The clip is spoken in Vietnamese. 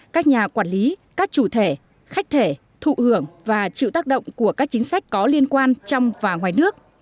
các nhà quản lý các chủ thể khách thể thụ hưởng và chịu tác động của các chính sách có liên quan trong và ngoài nước